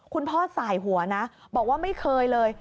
พ่อสายหัวนะบอกว่าไม่เคยเลย